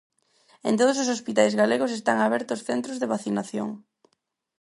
En todos os hospitais galegos están abertos centros de vacinación.